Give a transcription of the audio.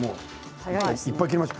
いっぱい切れました。